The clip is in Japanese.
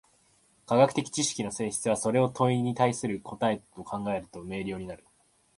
科学的知識の性質は、それを問に対する答と考えると明瞭になる。